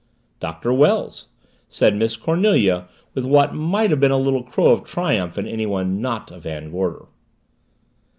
"Doctor Wells," said Miss Cornelia with what might have been a little crow of triumph in anyone not a Van Gorder.